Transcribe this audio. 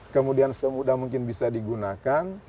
kemudian semudah mungkin bisa digunakan